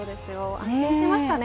安心しましたね。